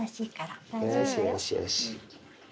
よしよしよし。